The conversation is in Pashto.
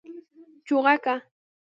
🐦 چوغکه